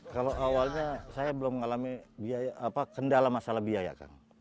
kalau awalnya saya belum mengalami kendala masalah biaya kang